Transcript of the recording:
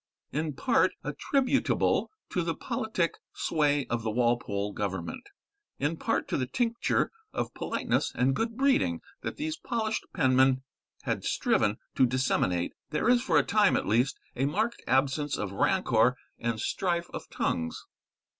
In part attributable to the politic sway of the Walpole government, in part to the tincture of politeness and good breeding that these polished penmen had striven to disseminate, there is, for a time at least, a marked absence of rancour and strife of tongues.